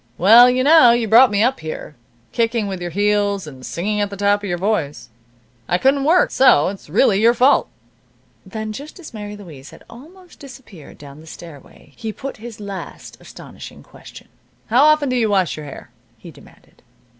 "Well, you know you brought me up here, kicking with your heels, and singing at the top of your voice. I couldn't work. So it's really your fault." Then, just as Mary Louise had almost disappeared down the stairway he put his last astonishing question. "How often do you wash your hair?" he demanded.